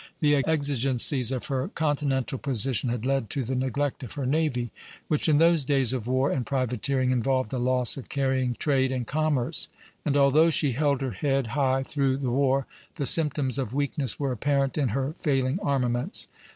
The exigencies of her continental position had led to the neglect of her navy, which in those days of war and privateering involved a loss of carrying trade and commerce: and although she held her head high through the war, the symptoms of weakness were apparent in her failing armaments.